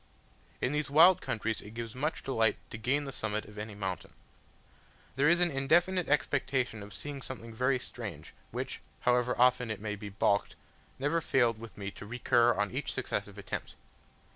In these wild countries it gives much delight to gain the summit of any mountain. There is an indefinite expectation of seeing something very strange, which, however often it may be balked, never failed with me to recur on each successive attempt.